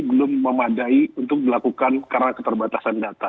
belum memadai untuk dilakukan karena keterbatasan data